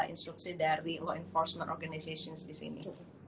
instruksi dari law enforcement organization disini